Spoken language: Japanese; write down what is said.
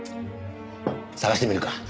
探してみるか。